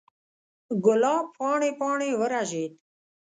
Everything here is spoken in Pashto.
ګلاب پاڼې، پاڼې ورژید